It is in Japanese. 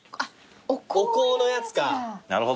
お香のやつか。